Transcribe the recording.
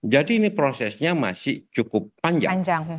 jadi ini prosesnya masih cukup panjang